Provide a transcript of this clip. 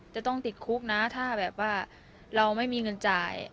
จะต้องติดคุกนะถ้าแบบว่าเราไม่มีเงินจ่าย